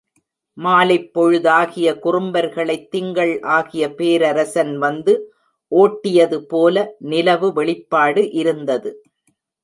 மாலைப் பொழுதாகிய குறும்பர்களைத் திங்கள் ஆகிய பேரரசன் வந்து ஓட்டியது போல நிலவு வெளிப்பாடு இருந்தது.